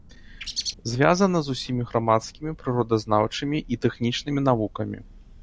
Звязана з усімі грамадскімі, прыродазнаўчымі і тэхнічнымі навукамі.